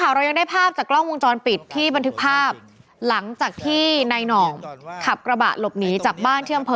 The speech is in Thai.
แล้วก็มุ่งหน้าเข้าอำเภอท่าเรือ